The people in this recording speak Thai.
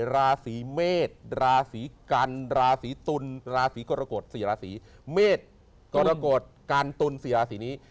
ราศีเมษราศีกันราศีตุลราศีกรกฎ๔ราศีเมษกรกฎกันตุล๔ราศีนี้